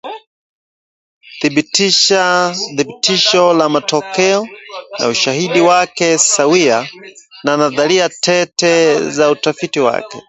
thibitisho la matokeo na ushahidi wake sawia na nadharia tete za utafiti wake